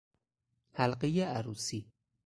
حلقهی عروسی